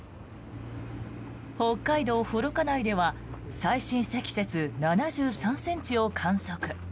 北海道幌加内では最深積雪７３ｃｍを観測。